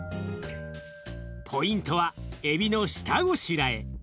ポイントはエビの下ごしらえ。